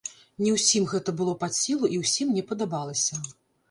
Не ўсім гэта было пад сілу і ўсім не падабалася.